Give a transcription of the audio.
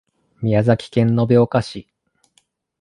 宮崎県延岡市